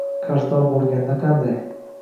Qarzdor bo‘lganda qanday?